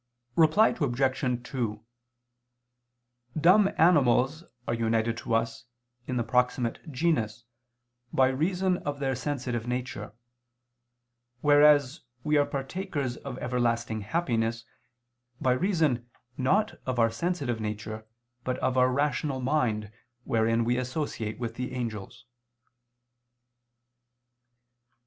Reply Obj. 2: Dumb animals are united to us in the proximate genus, by reason of their sensitive nature; whereas we are partakers of everlasting happiness, by reason not of our sensitive nature but of our rational mind wherein we associate with the angels.